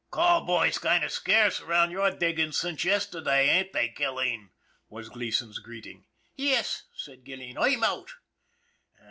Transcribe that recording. " Call boys kind of scarce around your diggin's since yesterday, ain't they, Gilleen ?" was Gleason's greet ing. " Yes," said Gilleen. " I'm out."